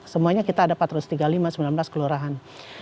semuanya kita ada empat ratus tiga puluh lima sembilan belas kelurahan